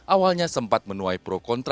awalnya sempat menuai pro kontra